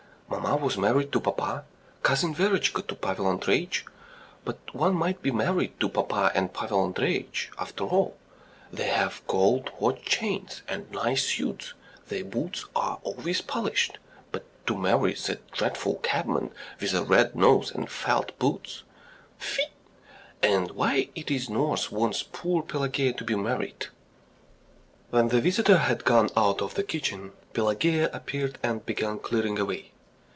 Mamma was married to papa, Cousin Verotchka to Pavel Andreyitch. But one might be married to papa and Pavel Andreyitch after all: they have gold watch chains and nice suits, their boots are always polished; but to marry that dreadful cabman with a red nose and felt boots. ... Fi! And why is it nurse wants poor Pelageya to be married?" When the visitor had gone out of the kitchen, Pelageya appeared and began clearing away.